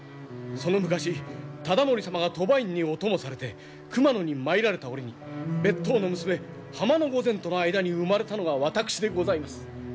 その昔忠盛様が鳥羽院にお供されて熊野に参られた折に別当の娘浜御前との間に生まれたのが私でございます。